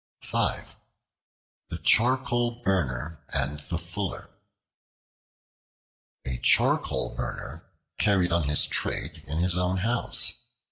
The Charcoal Burner And The Fuller A CHARCOAL BURNER carried on his trade in his own house.